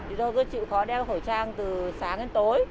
thì tôi cứ chịu khó đeo khẩu trang từ sáng đến tối